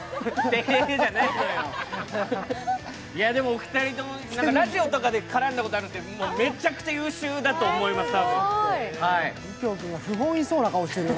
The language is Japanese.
お二人とも、ラジオとかで絡んだことがあるんですけれども、めちゃくちゃ優秀だと思います、